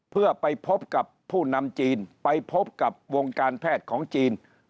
เพื่อไปพบกับผู้นำจีนไปพบกับวงการแพทย์ของจีน